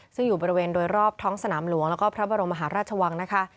ซึ่งอยู่บริเวณโดยรอบท้องสนามหลวงแล้วก็พระบรมมหาราชวังนะคะ